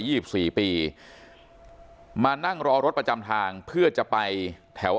สิบสี่ปีมานั่งรอรถประจำทางเพื่อจะไปแถว